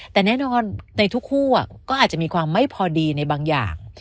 แต่แน่นอนในทุกคู่ก็อาจจะมีความไม่พอดีในบางอย่าง